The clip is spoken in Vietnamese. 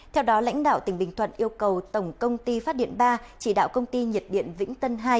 theo đó lãnh đạo tỉnh bình thuận yêu cầu tổng công ty phát điện ba chỉ đạo công ty nhiệt điện vĩnh tân hai